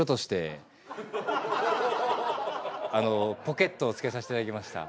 ポケットを付けさせていただきました。